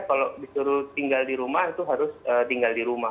kalau disuruh tinggal di rumah itu harus tinggal di rumah